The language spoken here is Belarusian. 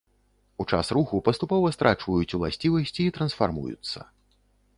У час руху паступова страчваюць уласцівасці і трансфармуюцца.